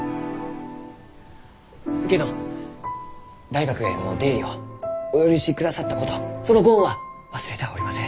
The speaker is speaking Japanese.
けんど大学への出入りをお許しくださったことそのご恩は忘れてはおりません。